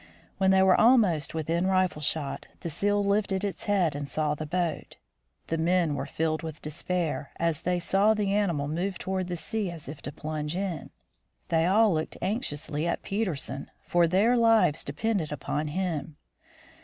When they were almost within rifle shot, the seal lifted its head and saw the boat. The men were filled with despair as they saw the animal move toward the sea as if to plunge in. They all looked anxiously at Peterson, for their lives depended upon him.